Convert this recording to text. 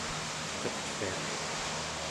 qatviaq